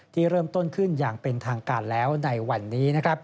เริ่มต้นขึ้นอย่างเป็นทางการแล้วในวันนี้